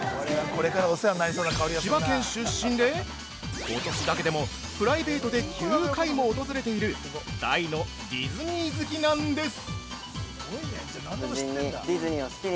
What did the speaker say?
千葉県出身でことしだけでもプライベートで９回も訪れている大のディズニー好きなんです。